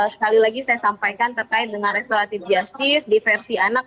sekali lagi saya sampaikan terkait dengan restoratif justice diversi anak